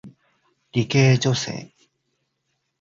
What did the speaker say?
理系女性